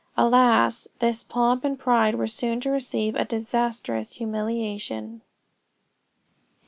Alas! this pomp and pride were soon to receive a disastrous humiliation.